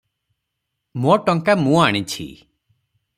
ମୋ ଟଙ୍କା ମୁଁ ଆଣିଛି ।"